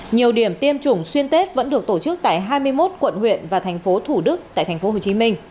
nhiều điểm tiêm chủng xuyên tết vẫn được tổ chức tại hai mươi một quận huyện và thành phố thủ đức tại tp hcm